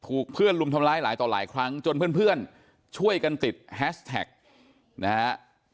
ถูกเพื่อนลุมทำร้ายหลายต่อหลายครั้งจนเพื่อนช่วยกันติดแฮชแท็กนะฮะ